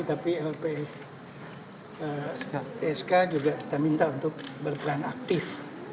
tapi lpsk juga kita minta untuk berperan aktif